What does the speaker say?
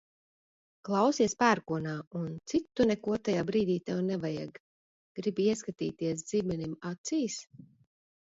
Klausies pērkonā un citu neko tajā brīdī tev nevajag. Gribi ieskatīties zibenim acīs?